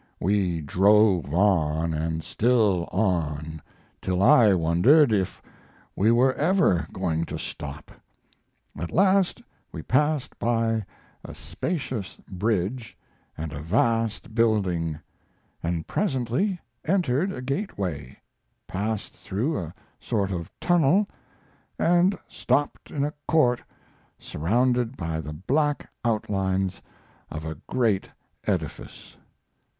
We drove on, and still on, till I wondered if we were ever going to stop. At last we passed by a spacious bridge and a vast building, and presently entered a gateway, passed through a sort of tunnel, and stopped in a court surrounded by the black outlines of a great edifice.